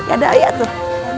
ada ayat tuh